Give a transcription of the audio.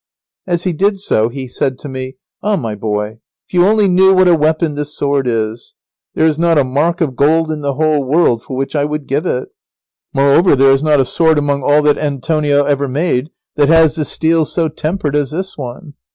As he did so he said to me: "Ah, my boy, if you only knew what a weapon this sword is. There is not a mark of gold in the whole world for which I would give it. Moreover, there is not a sword among all that Antonio ever made that has the steel so tempered as this one."